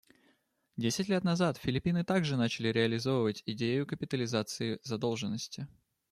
Десять лет назад Филиппины также начали реализовывать идею капитализации задолженности.